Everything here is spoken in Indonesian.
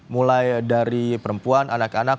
mulai dari perempuan anak anak